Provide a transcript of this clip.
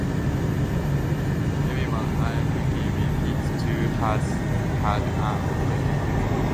Everyone I've given it to has had a positive response.